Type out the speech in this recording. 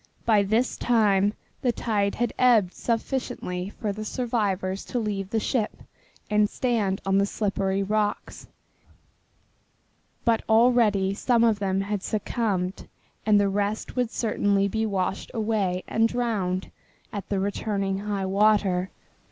By this time the tide had ebbed sufficiently for the survivors to leave the ship and stand on the slippery rocks, but already some of them had succumbed and the rest would certainly be washed away and drowned at returning high water.